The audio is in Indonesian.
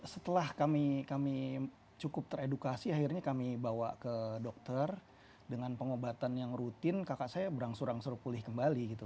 setelah kami cukup teredukasi akhirnya kami bawa ke dokter dengan pengobatan yang rutin kakak saya berangsur angsur pulih kembali gitu